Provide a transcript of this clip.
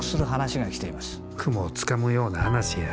雲をつかむような話や。